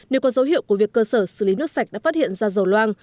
nếu có dấu hiệu của việc cơ sở xử lý nước sạch đã phát hiện ra dầu loang